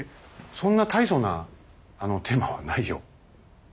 そんな大層なテーマはないよ。